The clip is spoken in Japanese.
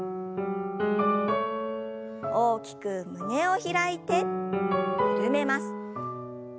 大きく胸を開いて緩めます。